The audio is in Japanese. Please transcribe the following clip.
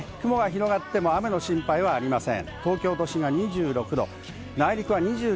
雲が広がっても雨の心配はありません。